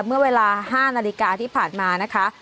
เมื่อเวลา๕นาฬิกาที่ผ่านมานะคะ